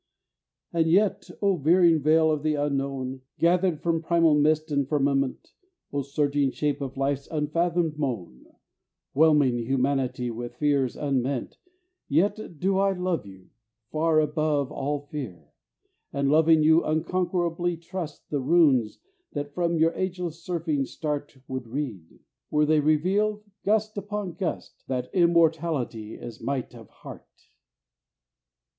And yet, O veering veil of the Unknown, Gathered from primal mist and firmament; O surging shape of Life's unfathomed moan, Whelming humanity with fears unmeant; Yet do I love you, far above all fear, And loving you unconquerably trust The runes that from your ageless surfing start Would read, were they revealed, gust upon gust, That Immortality is might of heart!